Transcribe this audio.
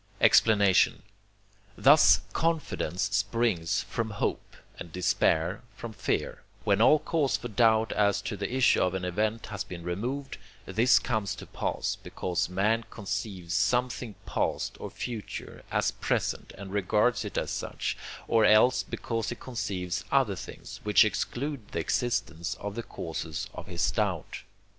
Explanation Thus confidence springs from hope, and despair from fear, when all cause for doubt as to the issue of an event has been removed: this comes to pass, because man conceives something past or future as present and regards it as such, or else because he conceives other things, which exclude the existence of the causes of his doubt.